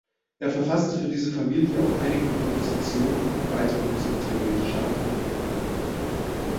Er verfasste für diese Familie auch einige Kompositionen und weitere musiktheoretische Abhandlungen.